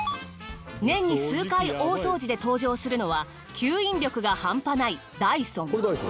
年に数回大掃除で登場するのは吸引力が半端ないＤｙｓｏｎ。